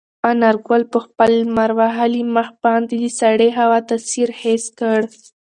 انارګل په خپل لمر وهلي مخ باندې د سړې هوا تاثیر حس کړ.